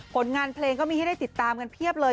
ผลงานเพลงก็มีให้ได้ติดตามกันเพียบเลย